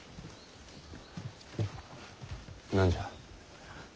何じゃ？